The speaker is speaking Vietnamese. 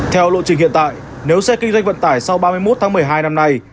theo lộ trình hiện tại nếu xe kinh doanh vận tải sau ba mươi một tháng một mươi hai năm nay